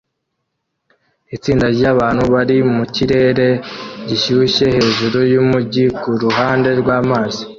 Itsinda ryabantu bari mukirere gishyushye hejuru yumujyi kuruhande rwamazi